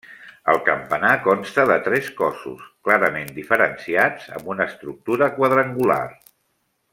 El campanar consta de tres cossos, clarament diferenciats, amb una estructura quadrangular.